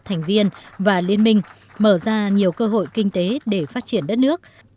thành viên và liên minh mở ra nhiều cơ hội kinh tế để phát triển đất nước